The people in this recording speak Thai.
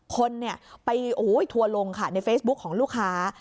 คนเนี่ยไปโอ้โหทัวร์ลงค่ะในเฟซบุ๊คของลูกค้า